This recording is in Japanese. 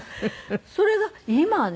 それが今はね